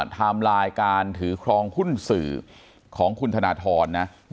ทำลายการถือครองหุ้นสื่อของคุณธนทร